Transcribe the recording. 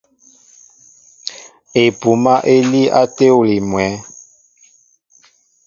Epúmā é líí á téwili mwǎ.